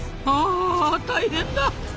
あ大変だ！